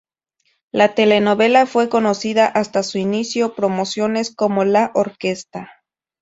La telenovela fue conocida hasta su inicio promociones como La Orquesta.